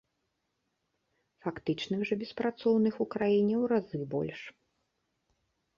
Фактычных жа беспрацоўных у краіне ў разы больш.